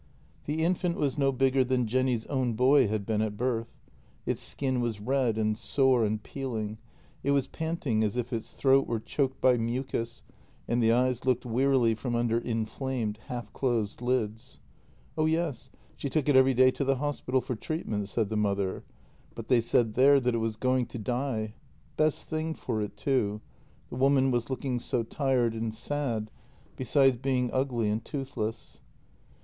The infant was no bigger than Jenny's own boy had been at birth. Its skin was red and sore and peeling, it was panting as if its throat were choked by mucus, and the eyes looked wearily from under inflamed, half closed lids. Oh yes, she took it every day to the hospital for treatment, said the mother, but they said there that it was going to die. Best thing for it, too — the woman was looking so tired and sad, besides being ugly and toothless.